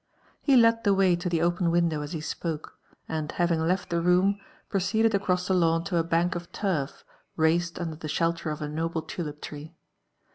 He led the way to tjie open window as he spoke, and having left the room, proceeded across the lawn to a bank of turf raised under the shelter of a noble tulip tree.